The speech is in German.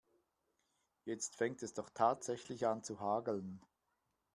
Jetzt fängt es doch tatsächlich an zu hageln.